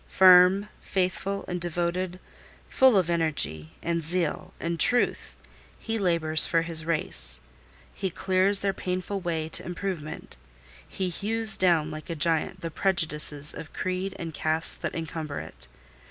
Firm, faithful, and devoted, full of energy, and zeal, and truth, he labours for his race; he clears their painful way to improvement; he hews down like a giant the prejudices of creed and caste that encumber it.